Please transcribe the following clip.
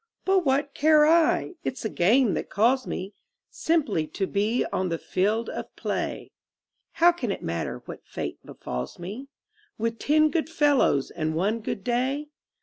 But what care I? It's the game that calls me Simply to be on the field of play; How can it matter what fate befalls me, With ten good fellows and one good day?